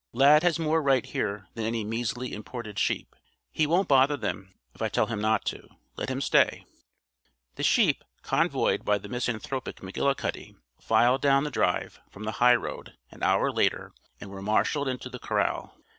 Lad has more right here than any measly imported sheep. He won't bother them if I tell him not to. Let him stay." The sheep, convoyed by the misanthropic McGillicuddy, filed down the drive, from the highroad, an hour later, and were marshaled into the corral.